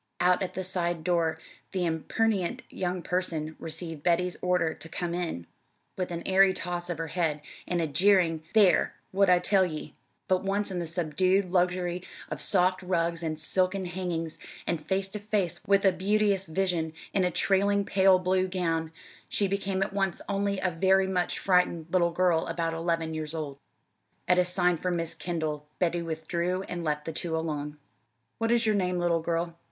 Out at the side door the "impertinent young person" received Betty's order to "come in" with an airy toss of her head, and a jeering "There, what'd I tell ye?" but once in the subdued luxury of soft rugs and silken hangings, and face to face with a beauteous vision in a trailing pale blue gown, she became at once only a very much frightened little girl about eleven years old. At a sign from Miss Kendall, Betty withdrew and left the two alone. "What is your name, little girl?"